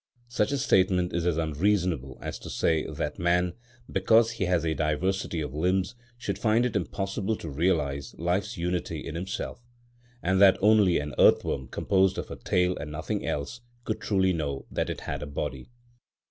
Such a statement is as unreasonable as to say that man, because he has a diversity of limbs, should find it impossible to realise life's unity in himself, and that only an earthworm composed of a tail and nothing else could truly know that it had a body.